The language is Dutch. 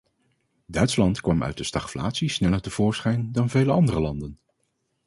Duitsland kwam uit de stagflatie sneller tevoorschijn dan vele andere landen.